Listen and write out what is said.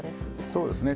そうですね。